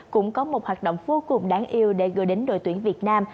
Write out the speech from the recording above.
cũng có một hoạt động vô cùng đáng yêu để gửi đến đội tuyển việt nam